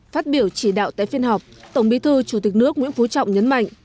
phát biểu chỉ đạo tại phiên họp tổng bí thư chủ tịch nước nguyễn phú trọng nhấn mạnh